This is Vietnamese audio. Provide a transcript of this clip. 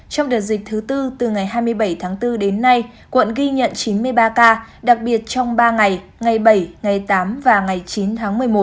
trong đợt dịch thứ tư từ ngày hai mươi bảy tháng bốn đến nay quận ghi nhận chín mươi ba ca đặc biệt trong ba ngày ngày bảy ngày tám và ngày chín tháng một mươi một